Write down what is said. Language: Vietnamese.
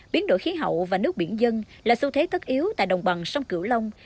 biến đổi khí hậu và nước biển dân là xu thế tất yếu tại đồng bằng sông cửu long